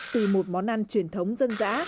từ một món ăn truyền thống dân dã